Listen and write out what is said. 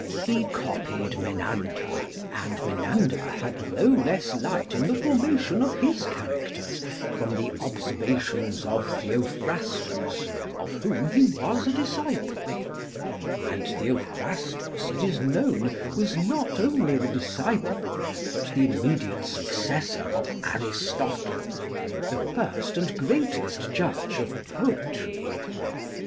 He copied Menander; and Menander had no less light in the formation of his characters from the observations of Theophrastus, of whom he was a disciple; and Theophrastus, it is known, was not only the disciple, but the immediate successor of Aristotle, the first and greatest judge of poetry.